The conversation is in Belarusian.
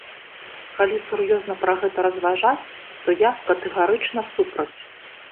Калі сур'ёзна пра гэта разважаць, то я катэгарычна супраць.